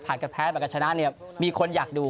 ผ่านกับแพ้ผ่านกับชนะมีคนอยากดู